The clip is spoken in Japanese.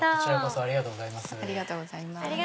ありがとうございます。